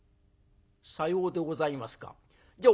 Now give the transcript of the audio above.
「さようでございますか。